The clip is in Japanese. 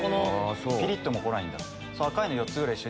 ピリっ！とも来ないんだ。